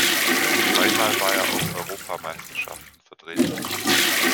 Dreimal war er auf Europameisterschaften vertreten.